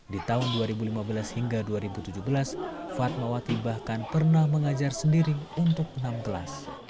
di tahun dua ribu lima belas hingga dua ribu tujuh belas fatmawati bahkan pernah mengajar sendiri untuk enam kelas